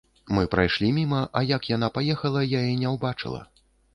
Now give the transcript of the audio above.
Мы прайшлі міма, а як яна паехала, я і не ўбачыла.